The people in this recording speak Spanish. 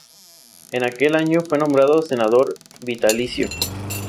En aquel año fue nombrado senador vitalicio.